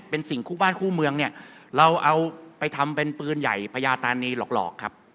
เป็นสิ่งคู่บ้านคู่เมืองเนี่ยเราเอาไปทำเป็นปืนใหญ่พญาตานีหลอกครับ